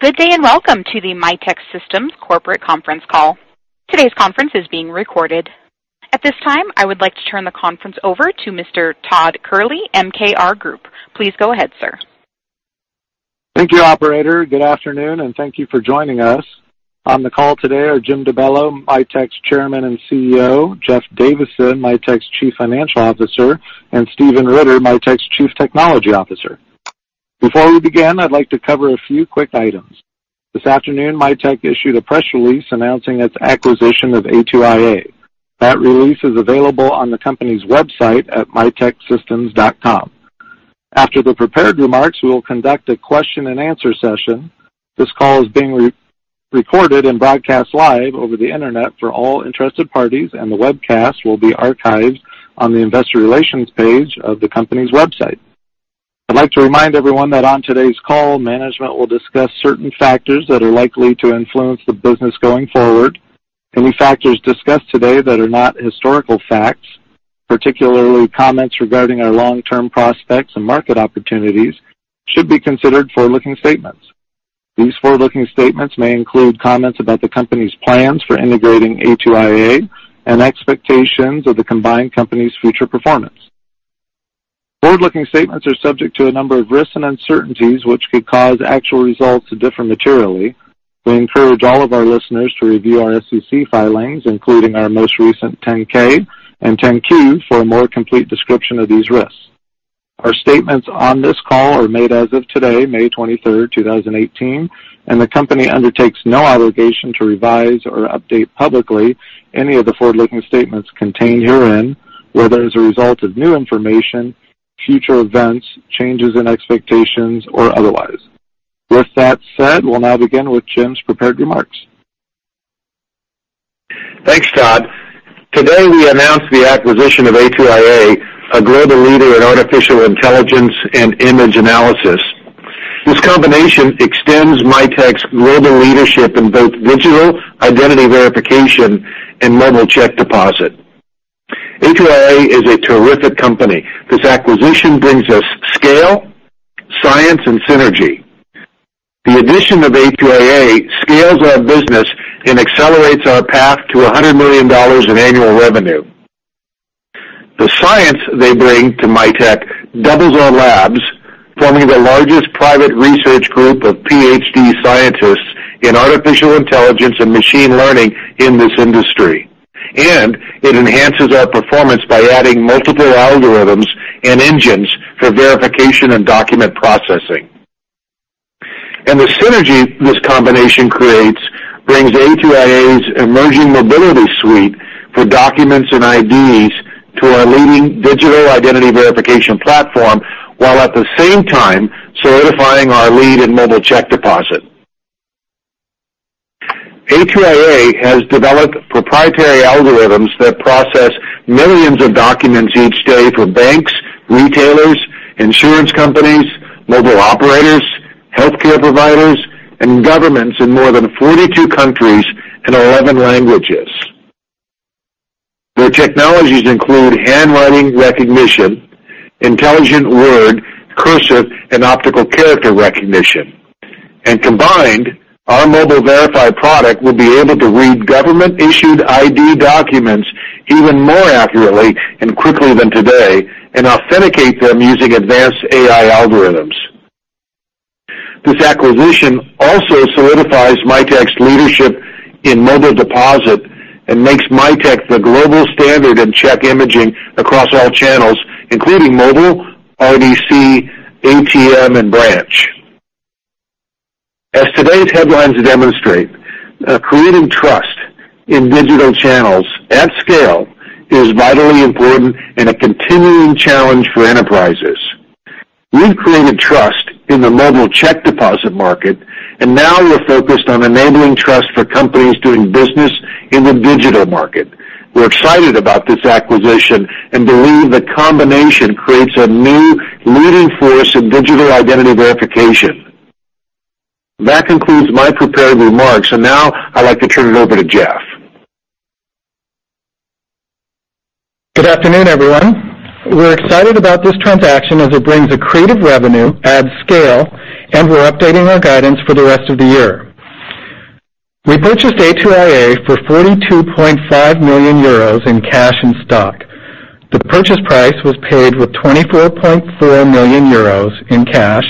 Good day, and welcome to the Mitek Systems corporate conference call. Today's conference is being recorded. At this time, I would like to turn the conference over to Mr. Todd Kehrli, MKR Group. Please go ahead, sir. Thank you, operator. Good afternoon, and thank you for joining us. On the call today are Jim DeBello, Mitek's Chairman and CEO, Jeff Davison, Mitek's Chief Financial Officer, and Stephen Ritter, Mitek's Chief Technology Officer. Before we begin, I'd like to cover a few quick items. This afternoon, Mitek issued a press release announcing its acquisition of A2iA. That release is available on the company's website at miteksystems.com. After the prepared remarks, we will conduct a question and answer session. This call is being recorded and broadcast live over the internet for all interested parties, and the webcast will be archived on the investor relations page of the company's website. I'd like to remind everyone that on today's call, management will discuss certain factors that are likely to influence the business going forward. Any factors discussed today that are not historical facts, particularly comments regarding our long-term prospects and market opportunities, should be considered forward-looking statements. These forward-looking statements may include comments about the company's plans for integrating A2iA and expectations of the combined company's future performance. Forward-looking statements are subject to a number of risks and uncertainties, which could cause actual results to differ materially. We encourage all of our listeners to review our SEC filings, including our most recent 10-K and 10-Q, for a more complete description of these risks. Our statements on this call are made as of today, May 23rd, 2018, and the company undertakes no obligation to revise or update publicly any of the forward-looking statements contained herein, whether as a result of new information, future events, changes in expectations, or otherwise. With that said, we'll now begin with Jim's prepared remarks. Thanks, Todd. Today, we announced the acquisition of A2iA, a global leader in artificial intelligence and image analysis. This combination extends Mitek's global leadership in both digital identity verification and mobile check deposit. A2iA is a terrific company. This acquisition brings us scale, science, and synergy. The addition of A2iA scales our business and accelerates our path to $100 million in annual revenue. The science they bring to Mitek doubles our labs, forming the largest private research group of PhD scientists in artificial intelligence and machine learning in this industry, and it enhances our performance by adding multiple algorithms and engines for verification and document processing. The synergy this combination creates brings A2iA's emerging mobility suite for documents and IDs to our leading digital identity verification platform, while at the same time solidifying our lead in mobile check deposit. A2iA has developed proprietary algorithms that process millions of documents each day for banks, retailers, insurance companies, mobile operators, healthcare providers, and governments in more than 42 countries and 11 languages. Their technologies include handwriting recognition, intelligent word, cursive, and optical character recognition. Combined, our Mobile Verify product will be able to read government-issued ID documents even more accurately and quickly than today and authenticate them using advanced AI algorithms. This acquisition also solidifies Mitek's leadership in Mobile Deposit and makes Mitek the global standard in check imaging across all channels, including mobile, RDC, ATM, and branch. As today's headlines demonstrate, creating trust in digital channels at scale is vitally important and a continuing challenge for enterprises. We've created trust in the mobile check deposit market, and now we're focused on enabling trust for companies doing business in the digital market. We're excited about this acquisition and believe the combination creates a new leading force in digital identity verification. That concludes my prepared remarks. Now I'd like to turn it over to Jeff. Good afternoon, everyone. We're excited about this transaction as it brings accretive revenue at scale, and we're updating our guidance for the rest of the year. We purchased A2iA for 42.5 million euros in cash and stock. The purchase price was paid with EUR 24.4 million in cash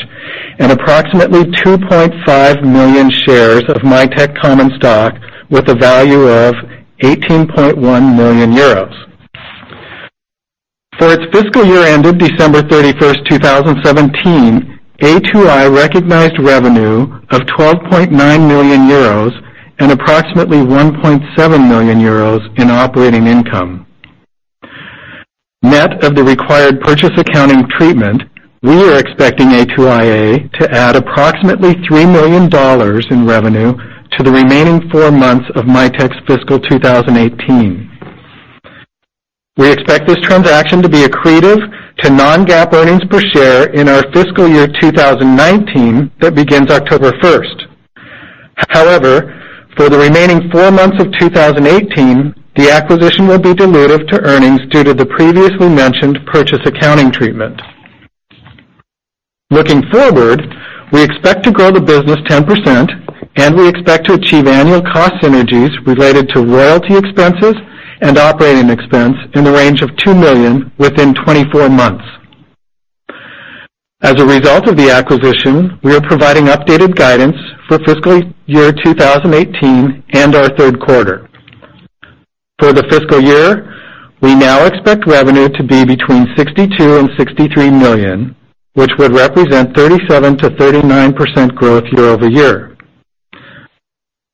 and approximately 2.5 million shares of Mitek common stock with a value of 18.1 million euros. For its fiscal year ended December 31st, 2017, A2iA recognized revenue of 12.9 million euros and approximately 1.7 million euros in operating income. Net of the required purchase accounting treatment, we are expecting A2iA to add approximately $3 million in revenue to the remaining four months of Mitek's fiscal 2018. We expect this transaction to be accretive to non-GAAP earnings per share in our fiscal year 2019 that begins October 1st. However, for the remaining four months of 2018, the acquisition will be dilutive to earnings due to the previously mentioned purchase accounting treatment. Looking forward, we expect to grow the business 10%, and we expect to achieve annual cost synergies related to royalty expenses and operating expense in the range of $2 million within 24 months. As a result of the acquisition, we are providing updated guidance for fiscal year 2018 and our third quarter. For the fiscal year, we now expect revenue to be between $62 million and $63 million, which would represent 37%-39% growth year-over-year.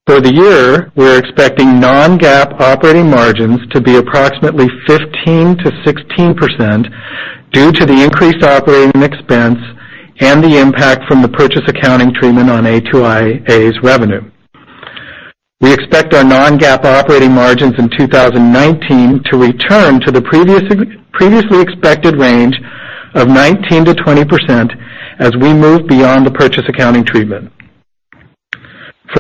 For the year, we're expecting non-GAAP operating margins to be approximately 15%-16% due to the increased operating expense and the impact from the purchase accounting treatment on A2iA's revenue. We expect our non-GAAP operating margins in 2019 to return to the previously expected range of 19%-20% as we move beyond the purchase accounting treatment.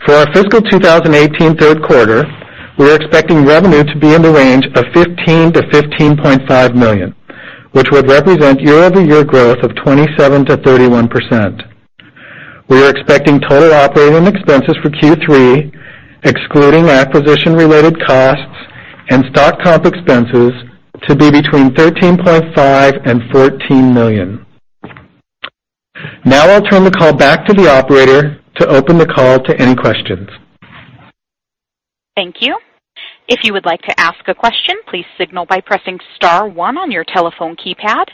For our fiscal 2018 third quarter, we're expecting revenue to be in the range of $15 million-$15.5 million, which would represent year-over-year growth of 27%-31%. We are expecting total operating expenses for Q3, excluding acquisition-related costs and stock comp expenses, to be between $13.5 million and $14 million. Now I'll turn the call back to the operator to open the call to any questions. Thank you. If you would like to ask a question, please signal by pressing star one on your telephone keypad.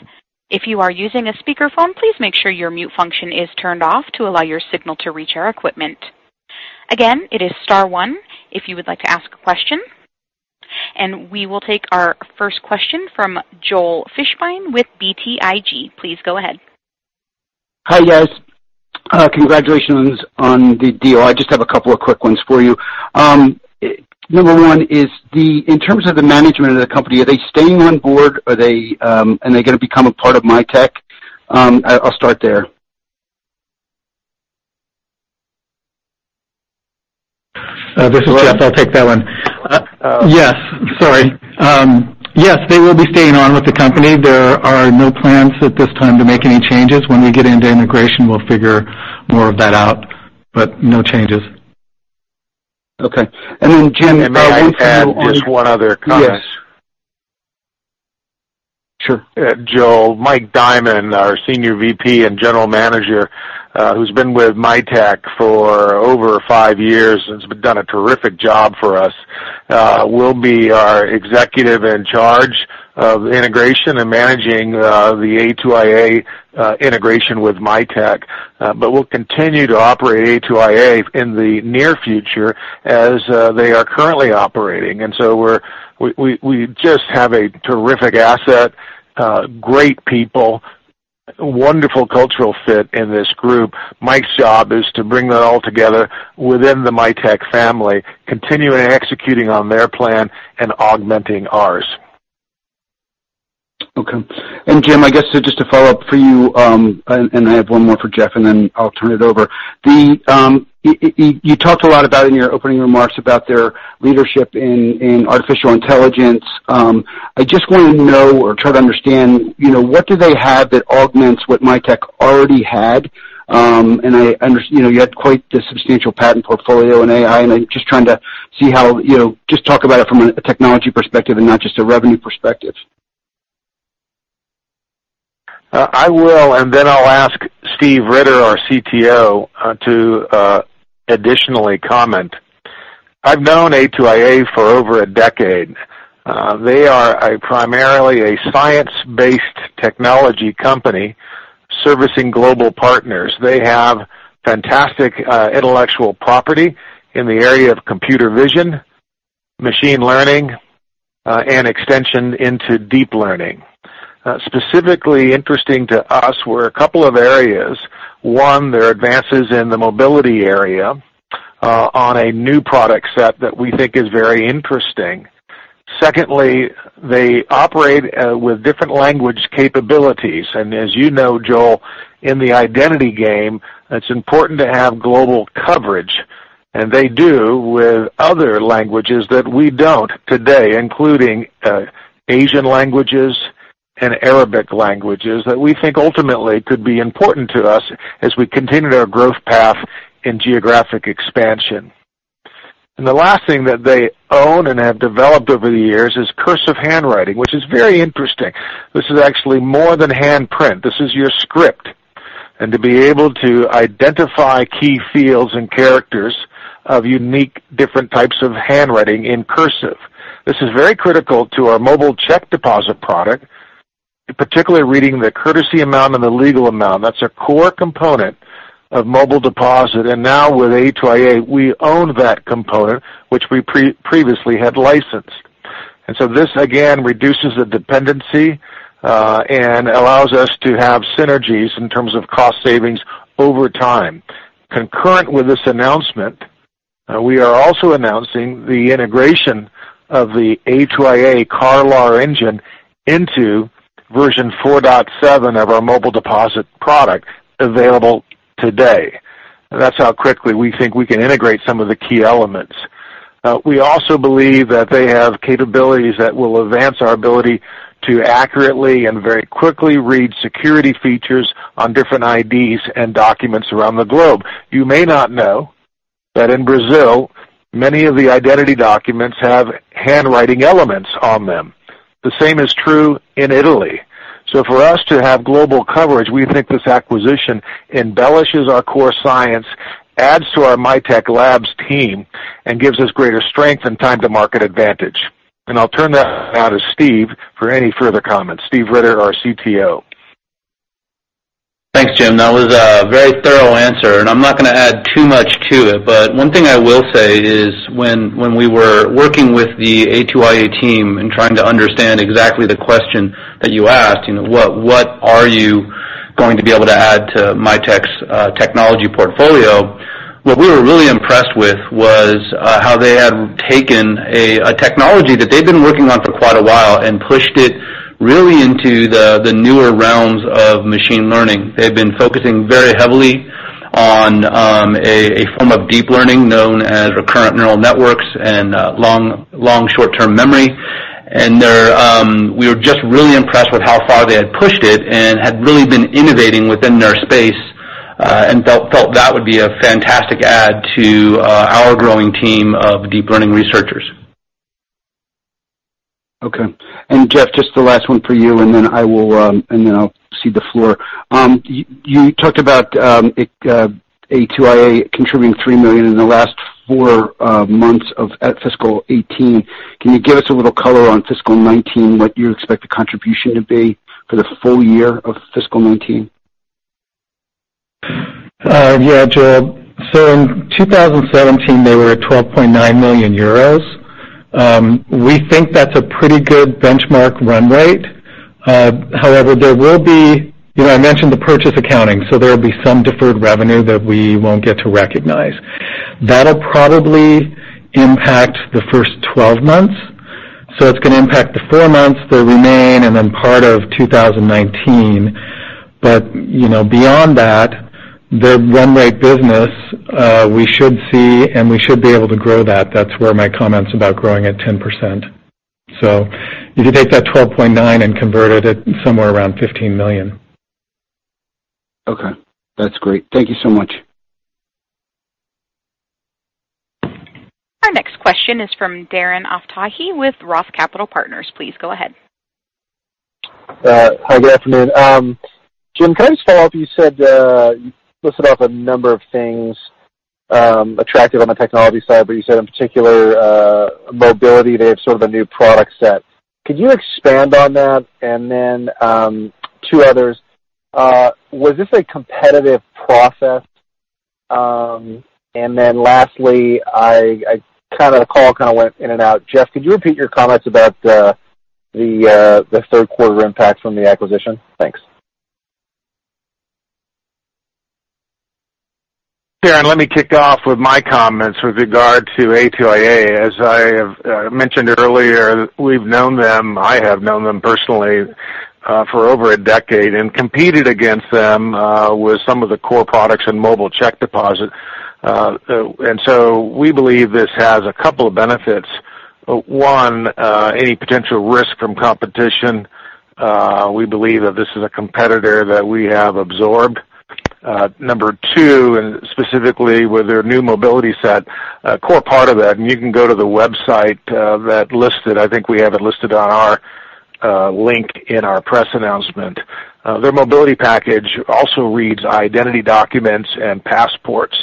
If you are using a speakerphone, please make sure your mute function is turned off to allow your signal to reach our equipment. Again, it is star one if you would like to ask a question. We will take our first question from Joel Fishbein with BTIG. Please go ahead. Hi, guys. Congratulations on the deal. I just have a couple of quick ones for you. Number one is, in terms of the management of the company, are they staying on board? Are they going to become a part of Mitek? I'll start there. This is Jeff. I'll take that one. Yes. Sorry. Yes, they will be staying on with the company. There are no plans at this time to make any changes. When we get into integration, we'll figure more of that out, but no changes. Okay. Jim? May I add just one other comment? Yes. Sure. Joel, Mike Diamond, our Senior VP and General Manager, who's been with Mitek for over five years and has done a terrific job for us, will be our Executive in Charge of integration and managing the A2iA integration with Mitek. We'll continue to operate A2iA in the near future as they are currently operating. We just have a terrific asset, great people, wonderful cultural fit in this group. Mike's job is to bring that all together within the Mitek family, continuing executing on their plan and augmenting ours. Okay. Jim, I guess just to follow up for you, I have one more for Jeff, and then I'll turn it over. You talked a lot about in your opening remarks about their leadership in artificial intelligence. I just want to know or try to understand, what do they have that augments what Mitek already had? You had quite the substantial patent portfolio in AI, and I'm just trying to see how. Just talk about it from a technology perspective and not just a revenue perspective. I will, then I'll ask Steve Ritter, our CTO, to additionally comment. I've known A2iA for over a decade. They are primarily a science-based technology company servicing global partners. They have fantastic intellectual property in the area of computer vision, machine learning, and extension into deep learning. Specifically interesting to us were a couple of areas. One, their advances in the mobility area on a new product set that we think is very interesting. Secondly, they operate with different language capabilities. As you know, Joel, in the identity game, it's important to have global coverage, and they do with other languages that we don't today, including Asian languages and Arabic languages that we think ultimately could be important to us as we continue our growth path in geographic expansion. The last thing that they own and have developed over the years is cursive handwriting, which is very interesting. This is actually more than hand print. This is your script. To be able to identify key fields and characters of unique different types of handwriting in cursive. This is very critical to our mobile check deposit product, particularly reading the courtesy amount and the legal amount. That's a core component of Mobile Deposit. Now with A2iA, we own that component, which we previously had licensed. This again reduces the dependency, and allows us to have synergies in terms of cost savings over time. Concurrent with this announcement, we are also announcing the integration of the A2iA CAR/LAR engine into Version 4.7 of our Mobile Deposit product available today. That's how quickly we think we can integrate some of the key elements. We also believe that they have capabilities that will advance our ability to accurately and very quickly read security features on different IDs and documents around the globe. You may not know that in Brazil, many of the identity documents have handwriting elements on them. The same is true in Italy. For us to have global coverage, we think this acquisition embellishes our core science, adds to our Mitek Labs team, and gives us greater strength and time to market advantage. I'll turn that now to Steve for any further comments. Steve Ritter, our CTO. Thanks, Jim. That was a very thorough answer. I am not going to add too much to it. One thing I will say is when we were working with the A2iA team and trying to understand exactly the question that you asked, what are you going to be able to add to Mitek's technology portfolio? What we were really impressed with was how they had taken a technology that they had been working on for quite a while and pushed it really into the newer realms of machine learning. They have been focusing very heavily on a form of deep learning known as recurrent neural networks and long short-term memory. We were just really impressed with how far they had pushed it and had really been innovating within their space, and felt that would be a fantastic add to our growing team of deep learning researchers. Okay. Jeff, just the last one for you, and then I will cede the floor. You talked about A2iA contributing $3 million in the last four months of fiscal 2018. Can you give us a little color on fiscal 2019, what you expect the contribution to be for the full year of fiscal 2019? Yeah, Joel. In 2017, they were at 12.9 million euros. We think that is a pretty good benchmark run rate. However, I mentioned the purchase accounting. There will be some deferred revenue that we will not get to recognize. That will probably impact the first 12 months. It is going to impact the four months that remain and then part of 2019. Beyond that, the run rate business, we should see, and we should be able to grow that. That is where my comments about growing at 10%. If you take that 12.9 million and convert it at somewhere around $15 million. Okay. That is great. Thank you so much. Our next question is from Darren Aftahi with Roth Capital Partners. Please go ahead. Hi, good afternoon. Jim, can I just follow up? You listed off a number of things attractive on the technology side, but you said in particular, mobility, they have sort of a new product set. Could you expand on that? Two others. Was this a competitive process? Lastly, the call kind of went in and out. Jeff, could you repeat your comments about the third quarter impact from the acquisition? Thanks. Darren, let me kick off with my comments with regard to A2iA. As I have mentioned earlier, we've known them, I have known them personally for over a decade and competed against them with some of the core products in mobile check deposit. We believe this has a couple of benefits. One, any potential risk from competition, we believe that this is a competitor that we have absorbed. Number two, specifically with their new mobility set, a core part of that, and you can go to the website that list it, I think we have it listed on our link in our press announcement. Their mobility package also reads identity documents and passports.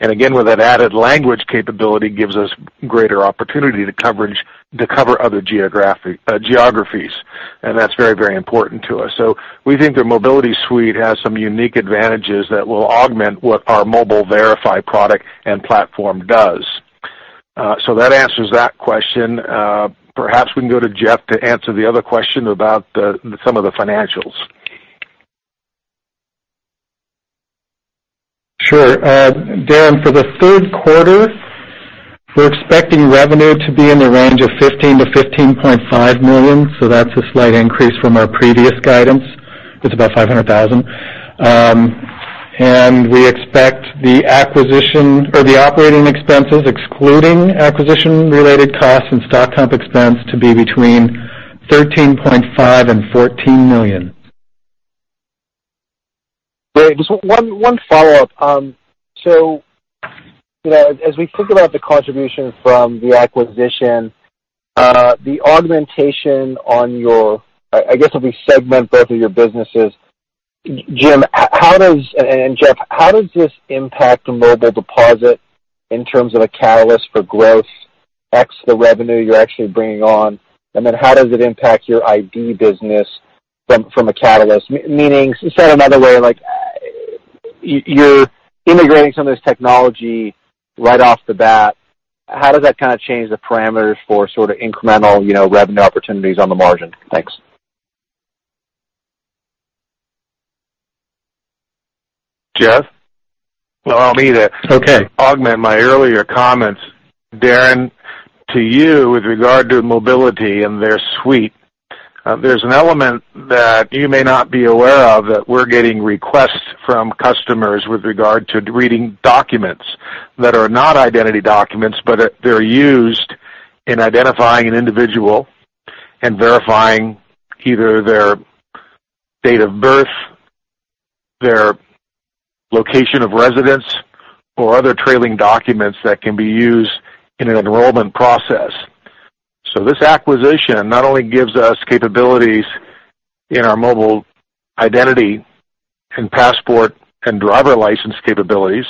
Again, with that added language capability gives us greater opportunity to cover other geographies. That's very important to us. We think their mobility suite has some unique advantages that will augment what our Mobile Verify product and platform does. That answers that question. Perhaps we can go to Jeff to answer the other question about some of the financials. Sure. Darren, for the third quarter, we're expecting revenue to be in the range of $15 million-$15.5 million. That's a slight increase from our previous guidance. It's about $500,000. We expect the operating expenses, excluding acquisition-related costs and stock comp expense to be between $13.5 million and $14 million. Great. Just one follow-up. As we think about the contribution from the acquisition, the augmentation on your, I guess if we segment both of your businesses, Jim and Jeff, how does this impact Mobile Deposit in terms of a catalyst for growth X the revenue you're actually bringing on, and then how does it impact your ID business from a catalyst? Meaning, say it another way, you're integrating some of this technology right off the bat. How does that change the parameters for incremental revenue opportunities on the margin? Thanks. Jeff? Augment my earlier comments, Darren, to you with regard to mobility and their suite. There's an element that you may not be aware of, that we're getting requests from customers with regard to reading documents that are not identity documents, but they're used in identifying an individual and verifying either their date of birth, their location of residence, or other trailing documents that can be used in an enrollment process. This acquisition not only gives us capabilities in our Mobile Identity and passport and driver license capabilities,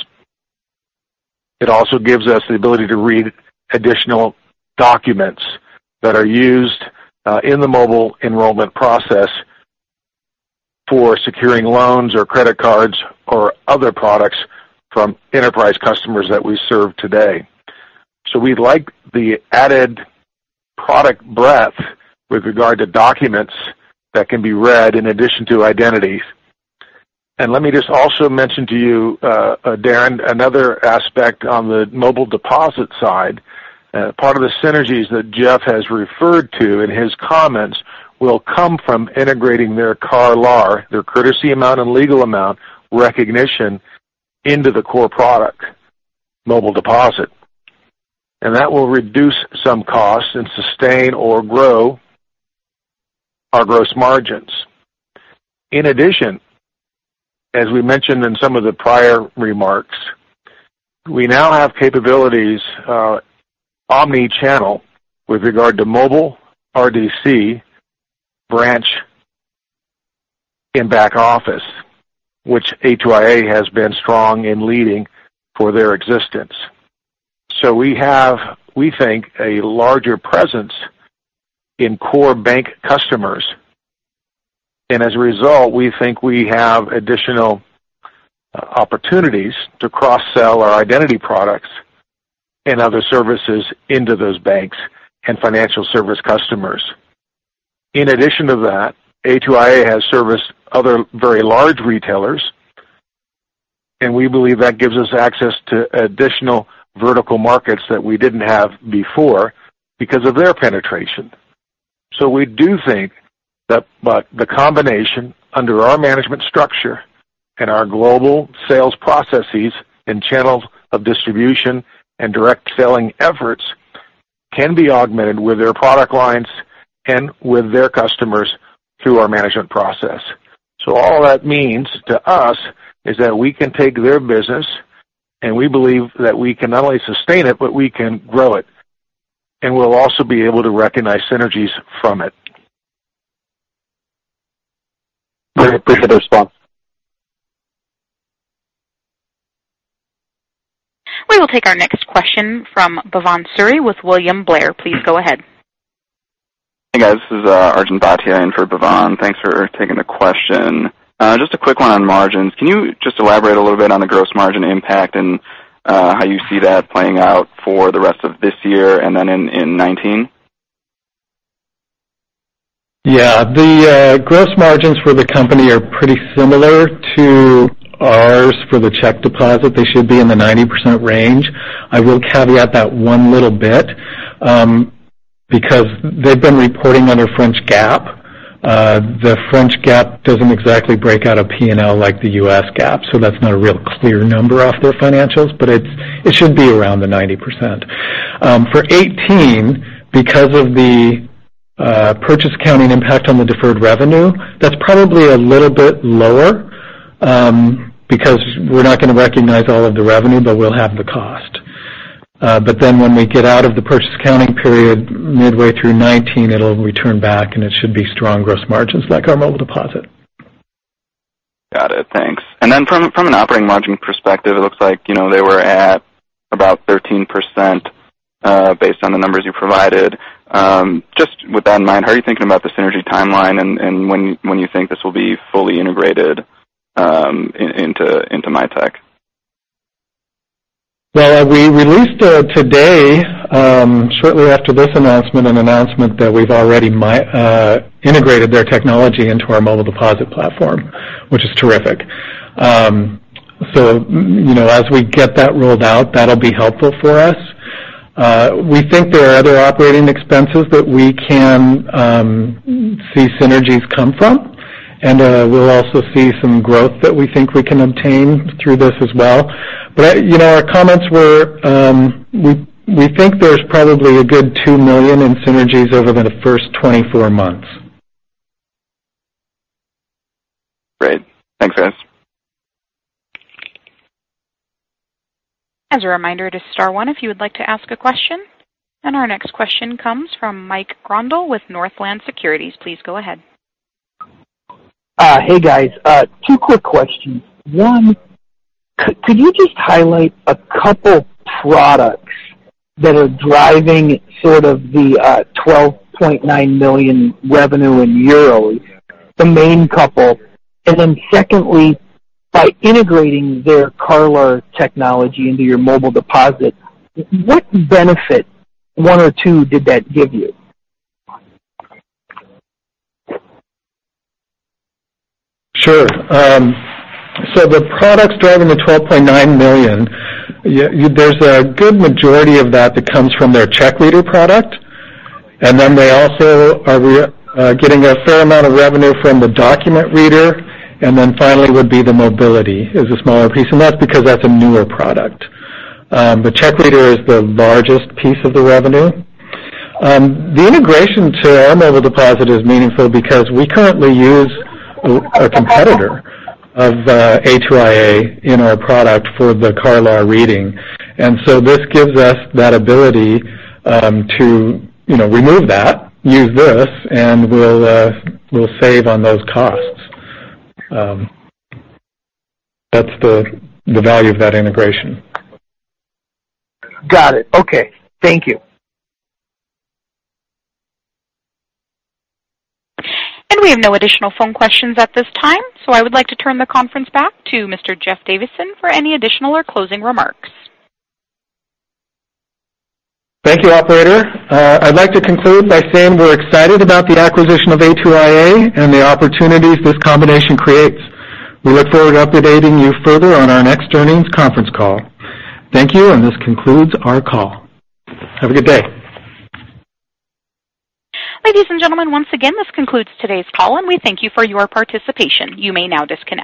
it also gives us the ability to read additional documents that are used in the mobile enrollment process for securing loans or credit cards or other products from enterprise customers that we serve today. We like the added product breadth with regard to documents that can be read in addition to identities. Let me just also mention to you, Darren, another aspect on the Mobile Deposit side. Part of the synergies that Jeff has referred to in his comments will come from integrating their CAR/LAR, their Courtesy Amount Recognition/Legal Amount Recognition into the core product, Mobile Deposit. That will reduce some costs and sustain or grow our gross margins. In addition, as we mentioned in some of the prior remarks, we now have capabilities omni-channel with regard to mobile RDC branch in back office, which A2iA has been strong in leading for their existence. We have, we think, a larger presence in core bank customers. As a result, we think we have additional opportunities to cross-sell our identity products and other services into those banks and financial service customers. In addition to that, A2iA has serviced other very large retailers, and we believe that gives us access to additional vertical markets that we didn't have before because of their penetration. We do think that the combination under our management structure and our global sales processes and channels of distribution and direct selling efforts can be augmented with their product lines and with their customers through our management process. All that means to us is that we can take their business, and we believe that we can not only sustain it, but we can grow it. We'll also be able to recognize synergies from it. Appreciate the response. We will take our next question from Bhavan Suri with William Blair. Please go ahead. Hey, guys. This is Arjun Bhatia in for Bhavan. Thanks for taking the question. Just a quick one on margins. Can you just elaborate a little bit on the gross margin impact and how you see that playing out for the rest of this year and then in 2019? Yeah. The gross margins for the company are pretty similar to ours for the check deposit. They should be in the 90% range. I will caveat that one little bit because they've been reporting under French GAAP. The French GAAP doesn't exactly break out a P&L like the U.S. GAAP, so that's not a real clear number off their financials, but it should be around the 90%. For 2018, because of the purchase accounting impact on the deferred revenue, that's probably a little bit lower because we're not going to recognize all of the revenue, but we'll have the cost. When we get out of the purchase accounting period midway through 2019, it'll return back, and it should be strong gross margins like our Mobile Deposit. Got it. Thanks. From an operating margin perspective, it looks like they were at about 13% based on the numbers you provided. Just with that in mind, how are you thinking about the synergy timeline and when you think this will be fully integrated into Mitek? Well, we released today, shortly after this announcement, an announcement that we've already integrated their technology into our Mobile Deposit platform, which is terrific. As we get that rolled out, that'll be helpful for us. We think there are other operating expenses that we can see synergies come from, and we'll also see some growth that we think we can obtain through this as well. Our comments were we think there's probably a good $2 million in synergies over the first 24 months. Great. Thanks, guys. As a reminder, it is star one if you would like to ask a question. Our next question comes from Mike Grondahl with Northland Securities. Please go ahead. Hey, guys. Two quick questions. One, could you just highlight a couple products that are driving sort of the 12.9 million revenue in euros, the main couple. Secondly, by integrating their CAR/LAR technology into your Mobile Deposit, what benefit, one or two, did that give you? Sure. The products driving the 12.9 million, there's a good majority of that that comes from their check reader product. They also are getting a fair amount of revenue from the document reader. Finally would be the mobility is a smaller piece, and that's because that's a newer product. The check reader is the largest piece of the revenue. The integration to our Mobile Deposit is meaningful because we currently use a competitor of A2iA in our product for the CAR/LAR reading. This gives us that ability to remove that, use this, and we'll save on those costs. That's the value of that integration. Got it. Okay. Thank you. We have no additional phone questions at this time. I would like to turn the conference back to Mr. Jeff Davison for any additional or closing remarks. Thank you, operator. I'd like to conclude by saying we're excited about the acquisition of A2iA and the opportunities this combination creates. We look forward to updating you further on our next earnings conference call. Thank you, and this concludes our call. Have a good day. Ladies and gentlemen, once again, this concludes today's call, and we thank you for your participation. You may now disconnect.